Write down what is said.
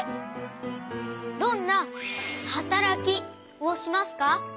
どんなはたらきをしますか？